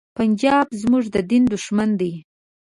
پنجاب زمونږ د دین دښمن دی.